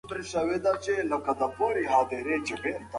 ښوونکو ته درناوی وکړئ.